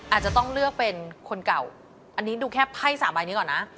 อาจจะต้องเลือกเป็นคนเก่าอันนี้ดูแค่ไพ่๓ใบนี้ก่อนนะ